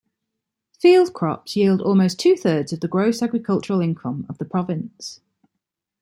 Field crops yield almost two-thirds of the gross agricultural income of the province.